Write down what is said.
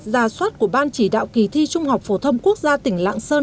giả soát của ban chỉ đạo kỳ thi trung học phổ thông quốc gia tỉnh lạng sơn